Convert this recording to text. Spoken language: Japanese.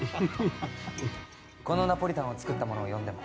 このナポリタンを作った者を呼んでも？